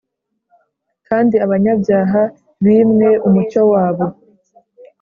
kandi abanyabyaha bīmwe umucyo wabo,